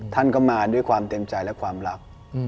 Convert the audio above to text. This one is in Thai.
ท่านก็มาด้วยความเต็มใจและความรัก